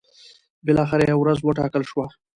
بالاخره یوه ورځ وټاکل شوه.